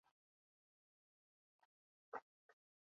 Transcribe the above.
该部份与十月初五日街平行。